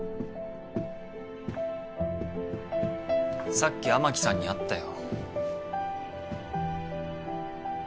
さっき雨樹さんに会ったよ。